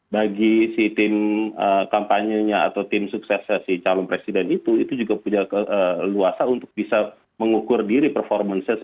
bagi si tim kampanye nya atau tim suksesnya si calon presiden itu itu juga punya leluasa untuk bisa mengukur diri performa nya seperti apa